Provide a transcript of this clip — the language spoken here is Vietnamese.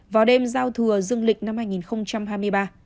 vào đêm giao thừa dương lịch năm hai nghìn hai mươi ba